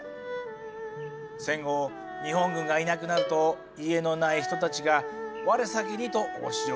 戦後日本軍がいなくなると家のない人たちが我先にと押し寄せたんだ。